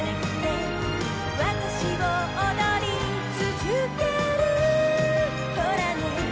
「わたしを踊りつづけるほらね」